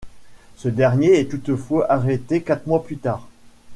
Ce dernier est toutefois arrêté quatre mois plus tard.